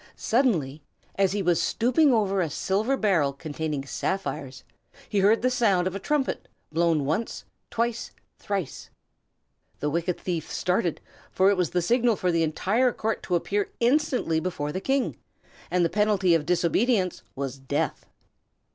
Suddenly, as he was stooping over a silver barrel containing sapphires, he heard the sound of a trumpet, blown once, twice, thrice. The wicked thief started, for it was the signal for the entire court to appear instantly before the King, and the penalty of disobedience was death.